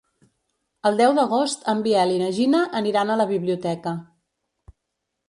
El deu d'agost en Biel i na Gina aniran a la biblioteca.